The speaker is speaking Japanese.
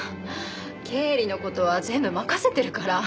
経理の事は全部任せてるから。